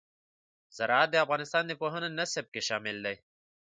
زراعت د افغانستان د پوهنې نصاب کې شامل دي.